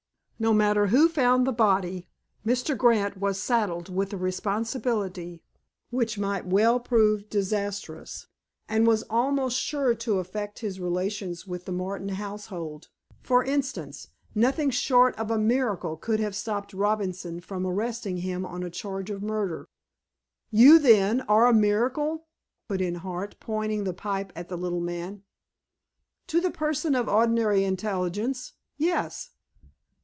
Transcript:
No matter who found the body, Mr. Grant was saddled with a responsibility which might well prove disastrous, and was almost sure to affect his relations with the Martin household. For instance, nothing short of a miracle could have stopped Robinson from arresting him on a charge of murder." "You, then, are a miracle?" put in Hart, pointing the pipe at the little man. "To the person of ordinary intelligence—yes."